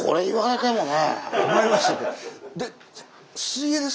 いかないもんね。